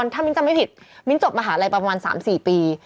ถ้ามิ้นจำไม่ผิดมิ้นจบมหาลัยประมาณ๓๔ปี